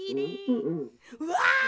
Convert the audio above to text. うわ！